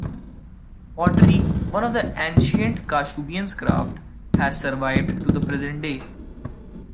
Pottery, one of the ancient Kashubians crafts, has survived to the present day.